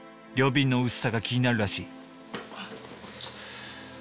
両鬢の薄さが気になるらしい